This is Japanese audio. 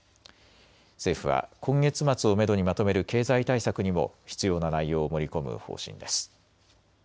政府は今月末をめどにまとめる経済対策にも必要な内容を盛り込む方針です。